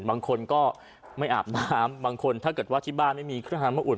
บางคนก็ไม่อาบน้ำบางคนถ้าเกิดว่าที่บ้านไม่มีเครื่องทำมาอุ่น